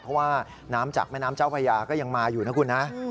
เพราะว่าน้ำจากแม่น้ำเจ้าพญาก็ยังมาอยู่นะคุณนะ